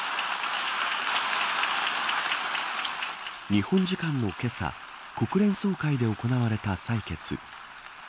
日本時間のけさ国連総会で行われた採決。